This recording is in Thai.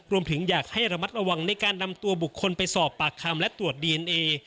รวมถึงอยากให้ระมัดระวังในการนำตัวบุคคลไปสอบปากคำและตรวจดีเอนเอ